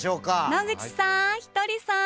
野口さんひとりさん！